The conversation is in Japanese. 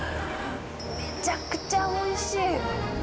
めちゃくちゃおいしい。